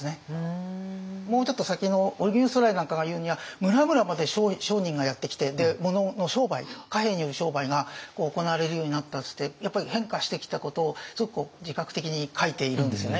もうちょっと先の荻生徂徠なんかがいうには村々まで商人がやって来て物の商売貨幣による商売が行われるようになったってやっぱり変化してきたことをすごく自覚的に書いているんですよね。